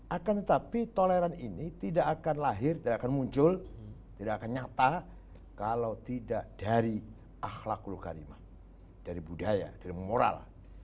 akan tetapi toleran ini tidak akan lahir tidak akan muncul tidak akan nyata kalau tidak dari akhlakul karimah dari budaya dari moral